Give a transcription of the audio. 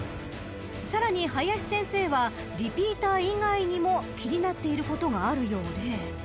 ［さらに林先生はリピーター以外にも気になっていることがあるようで］